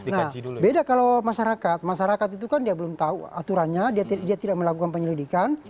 nah beda kalau masyarakat masyarakat itu kan dia belum tahu aturannya dia tidak melakukan penyelidikan